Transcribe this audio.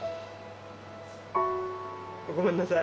ごめんなさい。